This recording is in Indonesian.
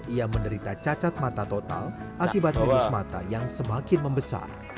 ia menderita cacat mata total akibat modus mata yang semakin membesar